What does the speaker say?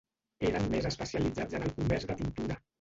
Eren més especialitzats en el comerç de tintura.